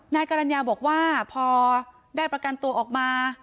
นายกรรณญาบอกว่าพอได้ประกันตัวออกมา